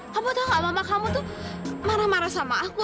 kamu tau gak mama kamu tuh marah marah sama aku